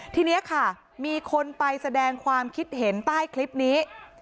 ทีนี้ค่ะมีคนไปแสดงความคิดเห็นใต้คลิปนี้